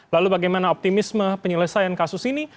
lalu bagaimana optimisme penyelesaian kasus ini